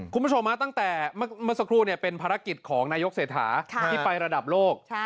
คุณผู้ชมตั้งแต่เมื่อสักครู่เป็นภารกิจของนายกเศรษฐาที่ไประดับโลก